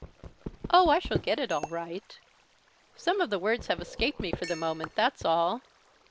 "Oh, I shall get it all right. Some of the words have escaped me for the moment, that's all.